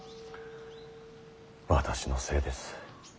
私のせいです。